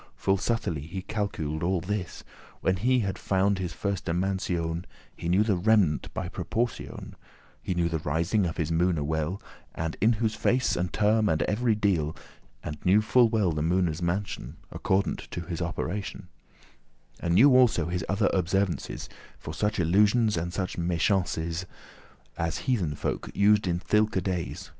Full subtilly he calcul'd all this. When he had found his firste mansion, He knew the remnant by proportion; And knew the rising of his moone well, And in whose face, and term, and every deal; And knew full well the moone's mansion Accordant to his operation; And knew also his other observances, For such illusions and such meschances,* *wicked devices As heathen folk used in thilke days.